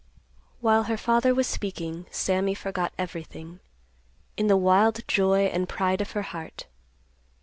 While her father was speaking, Sammy forgot everything, in the wild joy and pride of her heart.